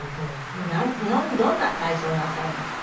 どんな体操をなさるんですか？